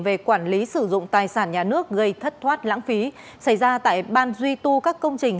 về quản lý sử dụng tài sản nhà nước gây thất thoát lãng phí xảy ra tại ban duy tu các công trình